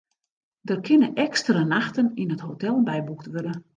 Der kinne ekstra nachten yn it hotel byboekt wurde.